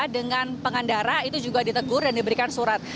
dengan pengendara itu juga ditegur dan diberikan surat